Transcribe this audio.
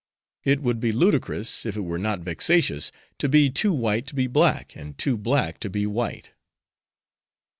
It would be ludicrous, if it were not vexatious, to be too white to be black, and too black to be white."